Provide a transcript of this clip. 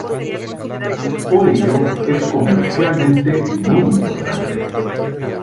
Por ello es comercialmente muy importante.